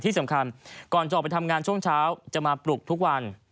ที่สำคัญก่อนจะออกไปทำงานช่วงเช้าจะมาปลุกทุกวัน